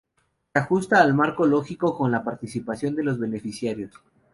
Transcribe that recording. Se ajusta el Marco Lógico con la participación de los beneficiarios.